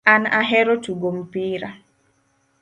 An ahero tugo mpira